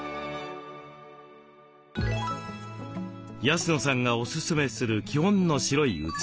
安野さんがおすすめする基本の白い器。